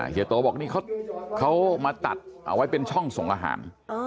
เฮีโตบอกนี่เขามาตัดเอาไว้เป็นช่องส่งอาหาร